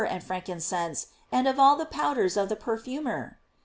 and frankincense, and of all the powders of tbt perfumer